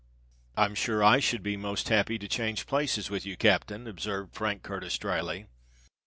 "I'm sure I should be most happy to change places with you, captain," observed Frank Curtis drily.